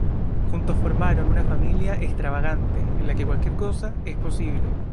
Juntos formaron una familia extravagante, en la que cualquier cosa es posible.